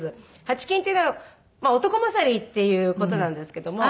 はちきんっていうのは男勝りっていう事なんですけども。